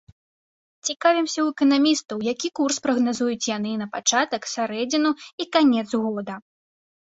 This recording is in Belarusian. Цікавімся ў эканамістаў, які курс прагназуюць яны на пачатак, сярэдзіну і канец года.